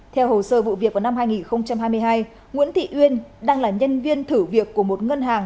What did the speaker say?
theo hồ sơ vụ việc vào năm hai nghìn hai mươi hai nguyễn thị uyên đang là nhân viên thử việc của một ngân hàng